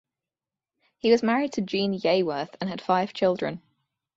He was married to Jean Yeaworth and had five children.